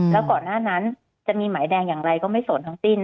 แล้วก่อนหน้านั้นจะมีหมายแดงอย่างไรก็ไม่สนทั้งสิ้น